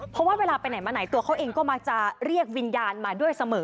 เพราะว่าเวลาไปไหนมาไหนตัวเขาเองก็มักจะเรียกวิญญาณมาด้วยเสมอ